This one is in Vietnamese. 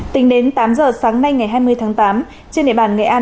tính đến tám giờ sáng nay ngày hai mươi tháng tám trên địa bàn nghệ an